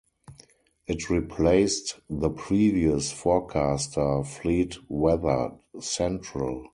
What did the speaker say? It replaced the previous forecaster, Fleet Weather Central.